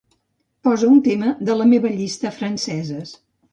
Posa un tema de la meva llista "franceses".